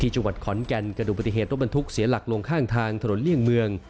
ที่จังหวัดขอนแก่นเกษตรการ์ดอุปาณ์ทุกข์เสียหลักลงข้างทางถนนเลี่ยงเมือง